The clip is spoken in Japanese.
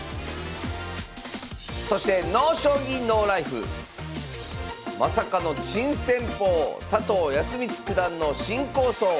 そして「ＮＯ将棋ＮＯＬＩＦＥ」まさかの珍戦法佐藤康光九段の新構想。